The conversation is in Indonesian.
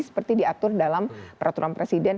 seperti diatur dalam peraturan presiden